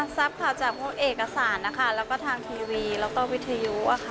ทราบข่าวจากพวกเอกสารนะคะแล้วก็ทางทีวีแล้วก็วิทยุ